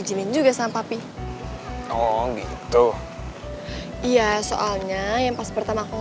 jangan salah kamu